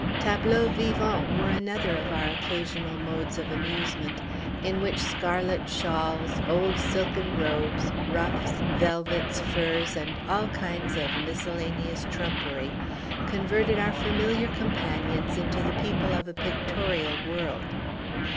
Tableaux vivants were another of our occasional modes of amusement, in which scarlet shawls, old silken robes, ruffs, velvets, furs, and all kinds of miscellaneous trumpery converted our familiar companions into the people of a pictorial world.